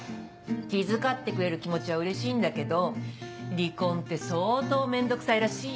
気遣ってくれる気持ちはうれしいんだけど離婚って相当面倒くさいらしいよ。